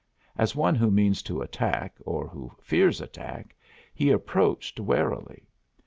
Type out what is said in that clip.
As one who means to attack, or who fears attack, he approached warily.